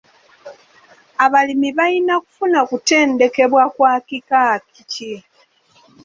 Abalimi balina kufuna kutendekebwa kwa kika ki?